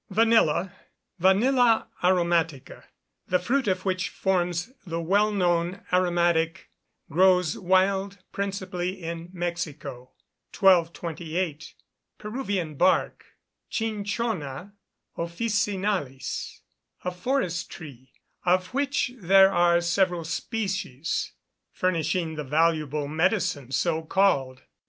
Vanilla (Vanilla aromatica), the fruit of which forms the well known aromatic, grows wild principally in Mexico. 1228. Peruvian bark (Cinchona officinalis), a forest tree, of which there are several species, furnishing the valuable medicine so called.